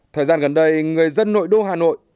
thời gian gần đây người dân nội đô hà nội